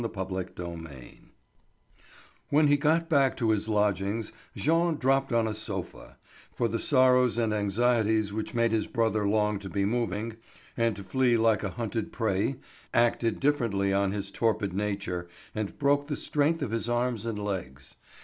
CHAPTER VIII When he got back to his lodgings Jean dropped on a sofa; for the sorrows and anxieties which made his brother long to be moving, and to flee like a hunted prey, acted differently on his torpid nature and broke the strength of his arms and legs.